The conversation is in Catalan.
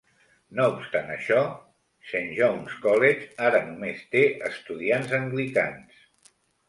No obstant això, Saint John's College ara només té estudiants anglicans.